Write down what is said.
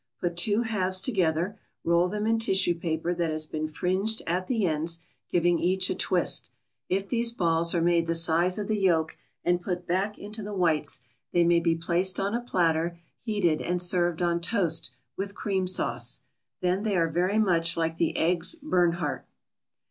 Put two halves together, roll them in tissue paper that has been fringed at the ends, giving each a twist. If these balls are made the size of the yolk, and put back into the whites, they may be placed on a platter, heated, and served on toast, with cream sauce; then they are very much like the eggs Bernhardt.